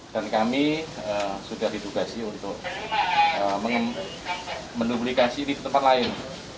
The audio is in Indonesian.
dan kami sudah didugasi untuk menduplikasi di tempat lain